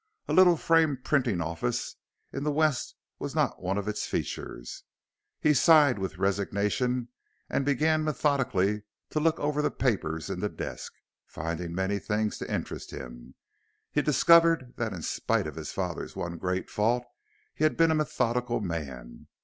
A little frame printing office in the West was not one of its features. He sighed with resignation and began methodically to look over the papers in the desk, finding many things to interest him. He discovered that in spite of his father's one great fault he had been a methodical man.